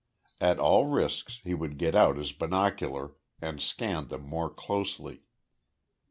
At all risks he would get out his binocular and scan them more closely.